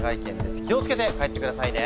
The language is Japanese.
気を付けて帰ってくださいね。